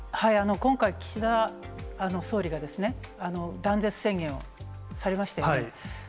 今回、岸田総理が断絶宣言をされましたよね。